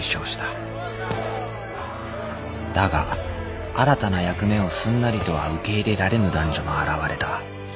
だが新たな役目をすんなりとは受け入れられぬ男女が現れた。